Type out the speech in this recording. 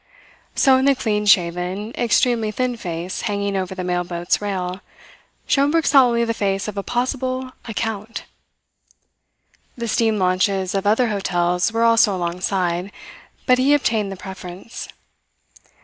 So in the clean shaven, extremely thin face hanging over the mail boat's rail Schomberg saw only the face of a possible "account." The steam launches of other hotels were also alongside, but he obtained the preference.